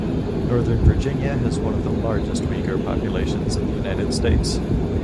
Northern Virginia has one of the largest Uyghur populations in the United States.